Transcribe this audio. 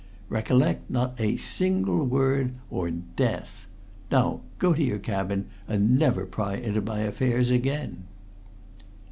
Recollect, not a single word or death! Now, go to your cabin, and never pry into my affairs again.'